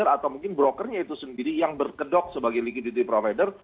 atau mungkin brokernya itu sendiri yang berkedok sebagai legality provider